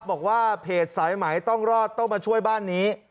บอกว่าเพจสายไหมต้องรอดต้องมาช่วยบ้านนี้